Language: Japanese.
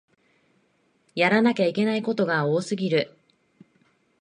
やらなきゃいけないことが多すぎる